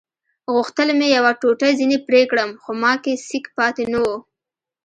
غوښتل مې یوه ټوټه ځینې پرې کړم خو ما کې سېک پاتې نه وو.